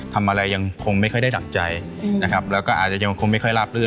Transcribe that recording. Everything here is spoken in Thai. ยังคงไม่ค่อยได้ดักใจนะครับแล้วก็อาจจะยังคงไม่ค่อยราบลื